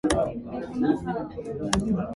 It is part of the Minot Micropolitan Statistical Area.